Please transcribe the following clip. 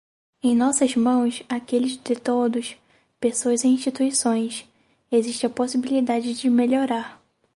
Em nossas mãos, aqueles de todos, pessoas e instituições, existe a possibilidade de melhorar.